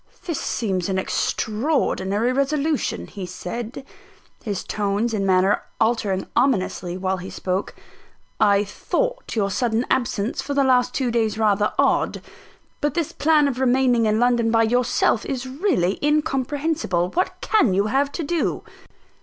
"This seems an extraordinary resolution," he said, his tones and manner altering ominously while he spoke. "I thought your sudden absence for the last two days rather odd; but this plan of remaining in London by yourself is really incomprehensible. What can you have to do?"